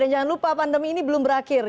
dan jangan lupa pandemi ini belum berakhir